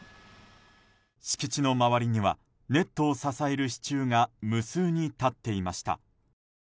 敷地の周りにはネットを支える支柱が無数に立っていました。